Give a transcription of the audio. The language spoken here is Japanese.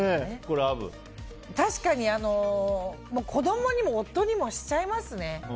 確かに、子供にも夫にもしちゃいますね。